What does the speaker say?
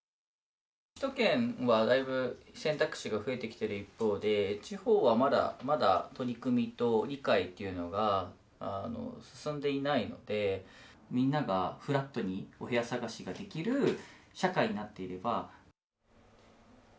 首都圏はだいぶ、選択肢が増えてきている一方で地方はまだまだ取り組みと理解っていうのが進んでいないのでみんながフラットにお部屋探しができる社会になっていれば。